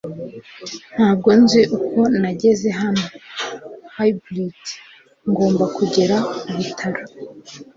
Ntabwo nzi uko nageze hano. (Hybrid)Ngomba kugera ku bitaro